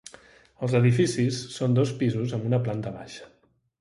Els edificis són dos pisos amb una planta baixa.